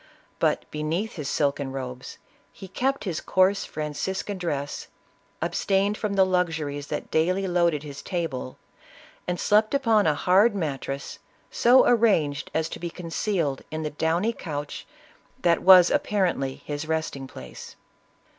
But, beneath his silken robes, he kept his coarse Franciscan dress, abstained from the luxuries that daily loaded his table, and slept upon a hard mattress, so arranged as to be concealed in the downy couch that was apparently his resting place.